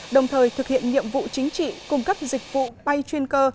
đồng thời thực hiện nhiệm vụ chính trị cung cấp dịch vụ bay chuyên cơ